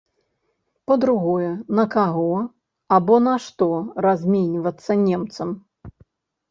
Па-другое, на каго або на што разменьвацца немцам?